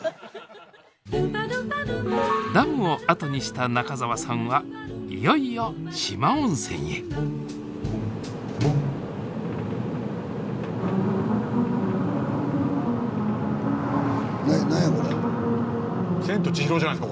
ダムを後にした中澤さんはいよいよ四万温泉へスタジオな何や？